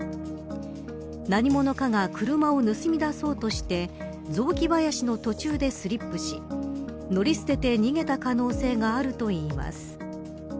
何者かが車を盗み出そうとして雑木林の途中でスリップし乗り捨てて、逃げた可能性があるといいます。